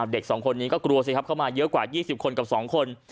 เด็ก๒คนนี้ก็กลัวสิครับเข้ามาเยอะกว่า๒๐คนกับ๒คน